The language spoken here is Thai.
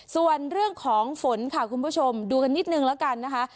ส่วนเรื่องของฝนค่ะคุณผู้ชมดูกันนิดนึงแล้วกันนะคะ